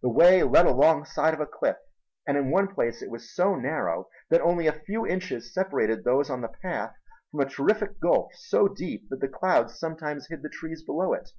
The way led along the side of a cliff, and in one place it was so narrow that only a few inches separated those on the path from a terrific gulf so deep that the clouds sometimes hid the trees below it.